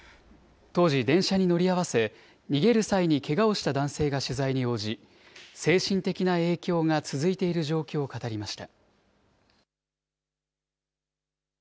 当時、電車に乗り合わせ、逃げる際にけがをした男性が取材に応じ、精神的な影響が続いている状況を語りました。